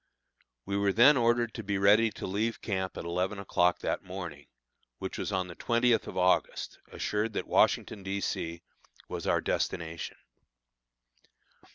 We were then ordered to be ready to leave camp at eleven o'clock that morning, which was on the twentieth of August, assured that Washington, D. C., was our destination.